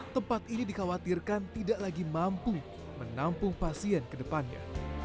tempat ini dikhawatirkan tidak lagi mampu menampung pasien ke depannya